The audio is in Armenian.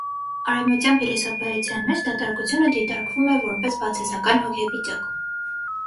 Արևմտյան փիլիսոփայության մեջ դատարկությունը դիտարկվում է որպես բացասական հոգեվիճակ։